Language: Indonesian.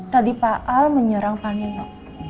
tadi pak al menyerang pak nino